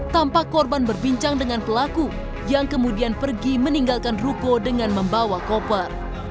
tampak korban berbincang dengan pelaku yang kemudian pergi meninggalkan ruko dengan membawa koper